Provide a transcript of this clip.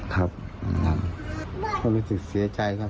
ครับก็รู้สึกเสียใจครับ